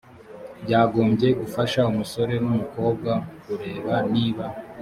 byagombye gufasha umusore n umukobwa kureba niba